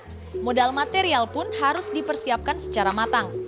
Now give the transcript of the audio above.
semua material pun harus dipersiapkan secara matang